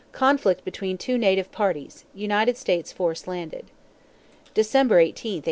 Conflict between two native parties. United States force landed. December 18, 1858.